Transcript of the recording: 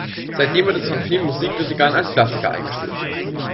Seitdem wird es von vielen Musikkritikern als Klassiker eingestuft.